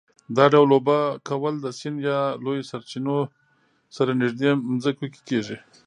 دا ډول اوبه کول د سیند یا لویو سرچینو سره نږدې ځمکو کې کېږي.